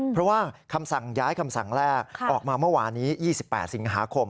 เพราะว่าคำสั่งย้ายคำสั่งแรกออกมาเมื่อวานนี้๒๘สิงหาคม